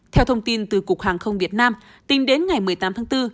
theo thông tin từ cục hàng không việt nam tính đến ngày một mươi tám tháng bốn